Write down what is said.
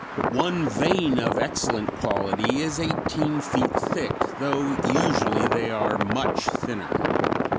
One vein of excellent quality is eighteen feet thick, although usually they are much thinner.